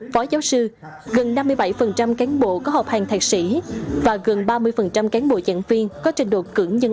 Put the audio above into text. phó giáo sư gần năm mươi bảy cán bộ có học hàng thạc sĩ và gần ba mươi cán bộ giảng viên có trình độ cử nhân